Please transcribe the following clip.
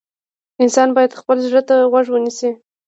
انسان باید خپل زړه ته غوږ ونیسي.